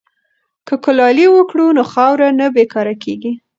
که کلالي وکړو نو خاوره نه بې کاره کیږي.